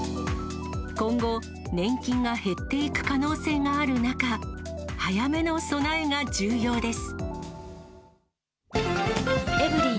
今後、年金が減っていく可能性がある中、早めの備えが重要です。